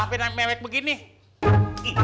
pindah mewek begini